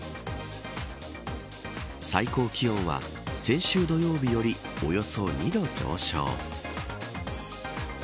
最高気温は先週土曜日よりおよそ２度上昇。